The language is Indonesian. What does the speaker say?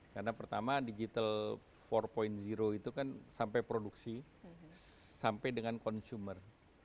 karena pertama digital empat itu kan sampai produksi sampai dengan consumer